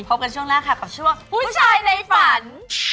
พบกันช่วงหน้าค่ะกับช่วงผู้ชายในฝัน